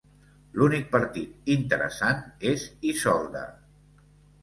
L'únic partit interessant és Isolda.